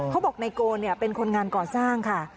เขาบอกนายโกนเป็นคนงานก่อสร้างค่ะ